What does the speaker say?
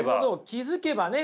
気付けばね。